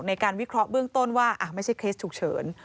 วิเคราะห์เบื้องต้นว่าไม่ใช่เคสฉุกเฉิน